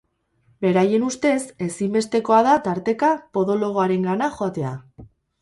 Beraien ustez, ezinbestekoa da tarteka podoloarengana joatea.